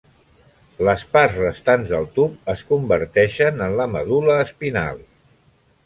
Les parts restants del tub es converteixen en la medul·la espinal.